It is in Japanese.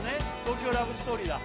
「東京ラブストーリー」だ